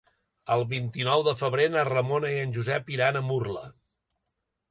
El vint-i-nou de febrer na Ramona i en Josep iran a Murla.